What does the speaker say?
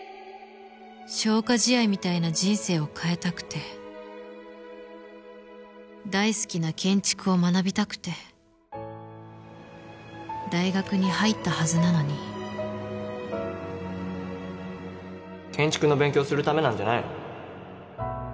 消化試合みたいな人生を変えたくて大好きな建築を学びたくて大学に入ったはずなのに建築の勉強するためなんじゃないの？